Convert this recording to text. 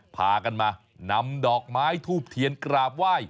พากันมานำดอกไม้ทูบเทียนกราบไหว้